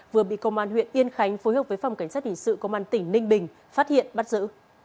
vừa bị công an huyện yên khánh phối hợp với phòng cảnh sát hình sự công an tỉnh ninh bình phát hiện bắt giữ